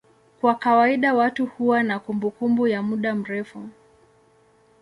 Kwa kawaida watu huwa na kumbukumbu ya muda mrefu.